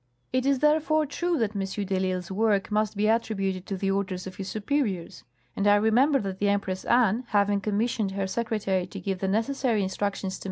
" It is therefore true that M. de I'lsle's work must be attributed to the orders of his superiors ; and I remember that the Empress Anne having commissioned her secretarj' to give the necessary instructions to M.